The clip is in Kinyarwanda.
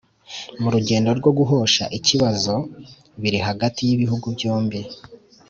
mu rugendo rwo guhosha ikibazo biri hagati y’ibihugu byombi